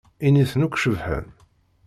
Initen akk cebḥen.